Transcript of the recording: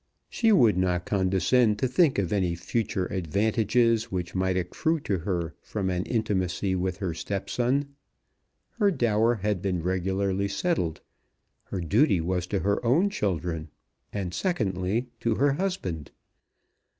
She would not condescend to think of any future advantages which might accrue to her from any intimacy with her stepson. Her dower had been regularly settled. Her duty was to her own children, and secondly to her husband.